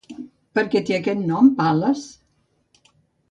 Per què té aquest nom, Pal·les?